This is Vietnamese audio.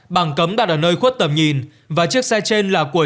bằng cấm đặt ở nơi khuất tầm nhìn và chiếc xe trên là của